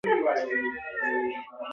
مړ ژوندی نه پاتې کېږي.